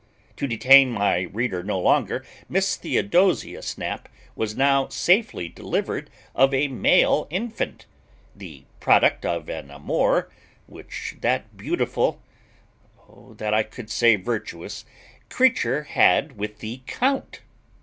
To detain my reader no longer, Miss Theodosia Snap was now safely delivered of a male infant, the product of an amour which that beautiful (O that I could say virtuous!) creature had with the count.